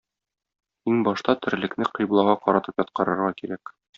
Иң башта терлекне кыйблага каратып яткырырга кирәк.